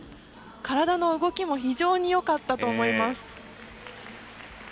体の動きも非常によかったと思います。